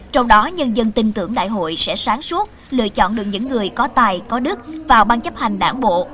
trong đó nhân dân tin tưởng đại hội sẽ sáng suốt lựa chọn được những người có tài có đức vào ban chấp hành đảng bộ